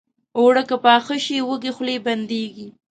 اوړه که پاخه شي، وږې خولې بندېږي